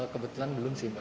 kebetulan belum sih mbak